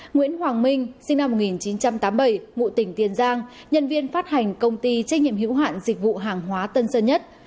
nguyễn hoàng minh sinh năm một nghìn chín trăm tám mươi bảy ngụ tỉnh tiền giang nhân viên phát hành công ty trách nhiệm hữu hạn dịch vụ hàng hóa tân sơn nhất